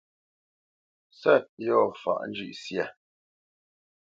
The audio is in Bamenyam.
Sɔ̂t yɔ̂ faʼ njʉ̂ʼsyâ.